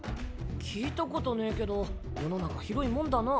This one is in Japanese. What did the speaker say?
聞いたことねぇけど世の中広いもんだな。